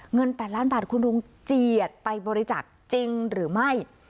เงิน๘ล้านบาทคุณลุงเจียดไปบริจาคจริงหรือไม่